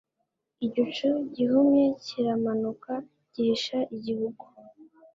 Igicu gihumye kiramanuka gihisha igihugu